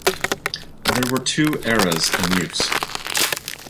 There were two eras in use.